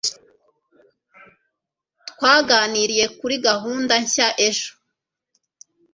twaganiriye kuri gahunda nshya ejo